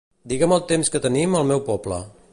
Digue'm el temps que tenim al meu poble.